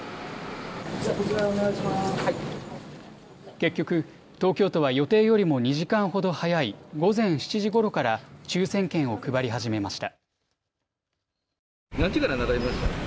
結局、東京都は予定よりも２時間ほど早い午前７時ごろから抽せん券を配り始めました。